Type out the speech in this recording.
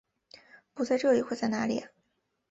不在这里会在哪里啊？